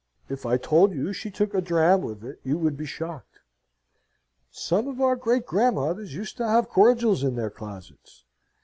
If I told you she took a dram with it, you would be shocked. Some of our great grandmothers used to have cordials in their "closets."